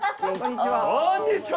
こんにちは。